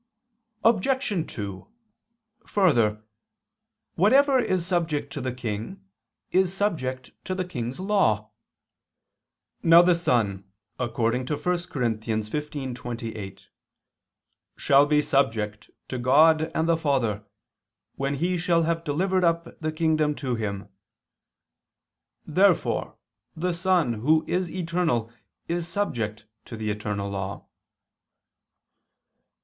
Obj. 2: Further, whatever is subject to the King, is subject to the King's law. Now the Son, according to 1 Cor. 15:28, 24, "shall be subject ... to God and the Father ... when He shall have delivered up the Kingdom to Him." Therefore the Son, Who is eternal, is subject to the eternal law.